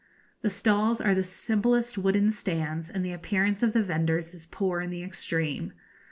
The stalls are the simplest wooden stands, and the appearance of the vendors is poor in the extreme.